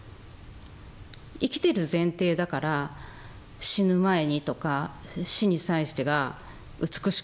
生きてる前提だから死ぬ前にとか死に際してが美しく見えてしまう。